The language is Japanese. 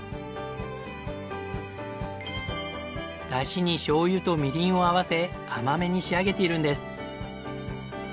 だしにしょうゆとみりんを合わせ甘めに仕上げているんです。